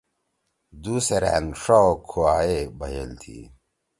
دُو سیرأن ݜا او کُھوا ئے بھئیل تھی۔